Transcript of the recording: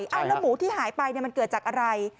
แล้วหมูที่หายไปมันเกิดจากอะไร